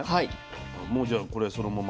もうじゃあこれそのまま。